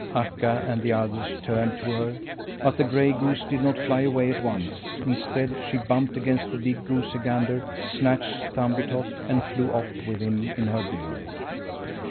Akka and the others turned to her, but the gray goose did not fly away at once. Instead she bumped against the big goosey gander, snatched Thumbietot, and flew off with him in her bill.